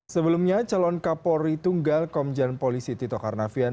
sebelumnya calon kapolri tunggal komjen polisi tito karnavian